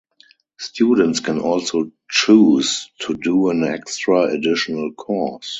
Students can also choose to do an extra additional course.